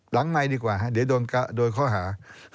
หลังใหม่ดีกว่าเดี๋ยวโดยข้อหา